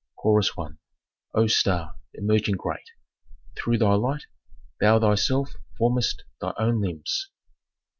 Chorus I. "O star, emerging great, through thy light, thou thyself formest thy own limbs."